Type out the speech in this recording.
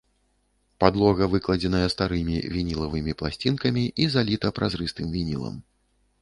Падлога выкладзеная старымі вінілавымі пласцінкамі і заліта празрыстым вінілам.